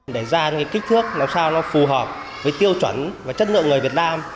để ra những kích thước làm sao nó phù hợp với tiêu chuẩn và chất lượng người việt nam